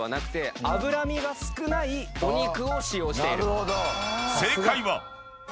なるほど。